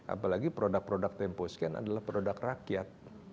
apalagi produk produk temposcan adalah produk rakyat